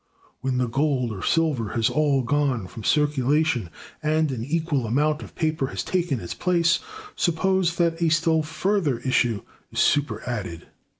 When the gold or silver has all gone from circulation, and an equal amount of paper has taken its place, suppose that a still further issue is superadded.